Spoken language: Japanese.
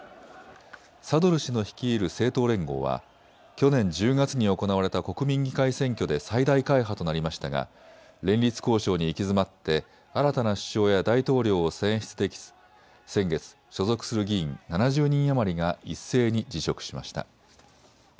サドル師の率いる政党連合は去年１０月に行われた国民議会選挙で最大会派となりましたが連立交渉に行き詰まって新たな首相や大統領を選出できず先月、所属する議員７０人余りが一斉に辞職しました。